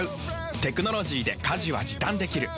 テクノロジーで家事は時短できる。